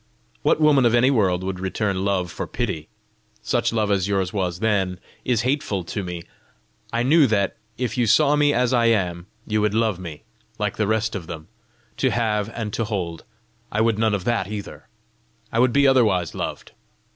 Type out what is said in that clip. What woman of any world would return love for pity? Such love as yours was then, is hateful to me. I knew that, if you saw me as I am, you would love me like the rest of them to have and to hold: I would none of that either! I would be otherwise loved!